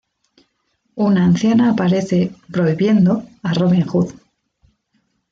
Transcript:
Una anciana aparece, "prohibiendo" a Robin Hood.